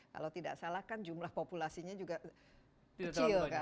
kalau tidak salah kan jumlah populasinya juga kecil kan